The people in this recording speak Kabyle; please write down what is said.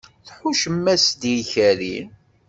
Tḥuccem-as-d i ikerri?